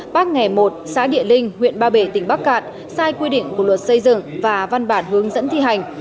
bác nghề một xã địa linh huyện ba bể tỉnh bắc cạn sai quy định của luật xây dựng và văn bản hướng dẫn thi hành